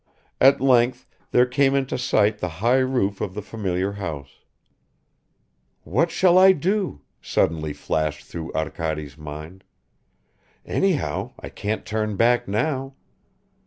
At length there came into sight the high roof of the familiar house ... "What shall I do?" suddenly flashed through Arkady's mind. "Anyhow, I can't turn back now!"